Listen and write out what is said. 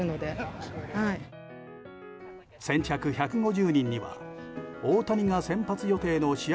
先着１５０人には大谷が先発予定の試合